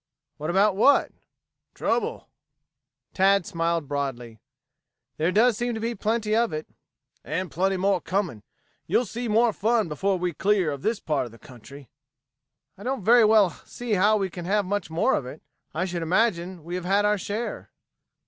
"What about what?" "Trouble." Tad smiled broadly. "There does seem to be plenty of it." "And plenty more coming. You'll see more fun before we are clear of this part of the country." "I don't very well see how we can have much more of it. I should imagine we have had our share."